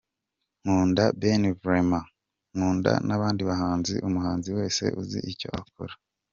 Nkunda Ben vraiment ! Nkunda n’abandi bahanzi, umuhanzi wese uzi icyo akora.